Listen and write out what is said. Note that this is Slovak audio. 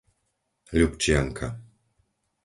Ľupčianka